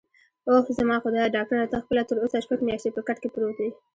اووه، زما خدایه، ډاکټره ته خپله تراوسه شپږ میاشتې په کټ کې پروت یې؟